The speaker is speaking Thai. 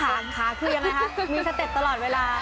หลายละคราวคือยังนะฮะมีแสต็บตลอดเวลา